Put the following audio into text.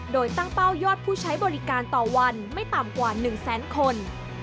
โดยตั้งเป้ายอดผู้ใช้บริการต่อวันไม่ต่ำกว่า๑แสนคน